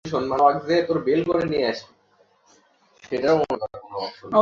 চুক্তি মোতাবেক তাঁরা ট্রাকে করে শুক্রবার চরকিশোরগঞ্জ এলাকায় বীজ নিয়ে আসেন।